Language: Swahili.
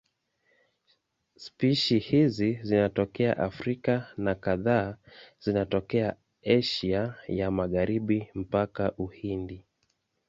Spishi hizi zinatokea Afrika na kadhaa zinatokea Asia ya Magharibi mpaka Uhindi.